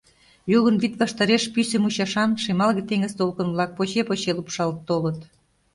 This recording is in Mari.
Йогын вӱд ваштареш пӱсӧ мучашан, шемалге теҥыз толкын-влак поче-поче лупшалт толыт.